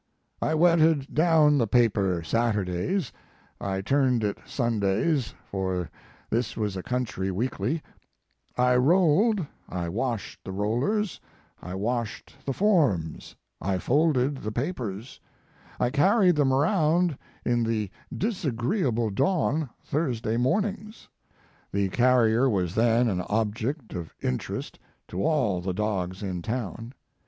I wetted down the paper Saturdays, I turned it Sundays for this was a country weekly; I rolled, I washed the rollers, I washed the forms, I folded the papers, I carried them around in the disagree able dawn Thursday mornings. The carrier was then an object of interest to all the dogs in town.